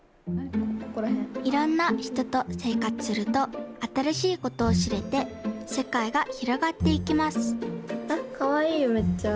いろんなひととせいかつするとあたらしいことをしれてせかいがひろがっていきますあっかわいいよめっちゃ。